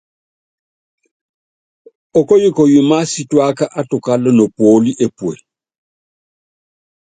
Okóyikoyi másítuáka átukála nopuóli epue.